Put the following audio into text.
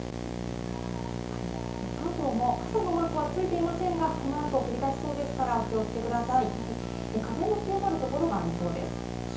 関東も傘のマークはついていませんが、この後、降り出しそうですから、お気をつけください。